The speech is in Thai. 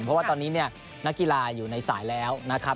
เพราะว่าตอนนี้เนี่ยนักกีฬาอยู่ในสายแล้วนะครับ